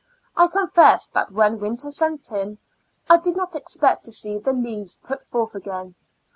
I confess that when winter set in, I did not expect to see the leaves put forth again.